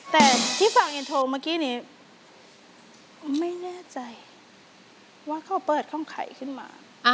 แต่ที่ฟังอินโทรเมื่อกี้นี้ไม่แน่ใจว่าเขาเปิดห้องใครขึ้นมา